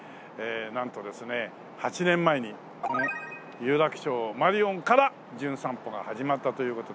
なんとですね８年前にこの有楽町マリオンから『じゅん散歩』が始まったという事で。